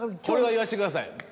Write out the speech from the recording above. これは言わしてください。